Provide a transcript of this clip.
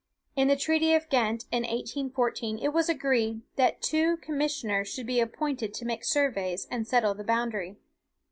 In the treaty of Ghent, in 1814, it was agreed that two commissioners should be appointed to make surveys and settle the boundary.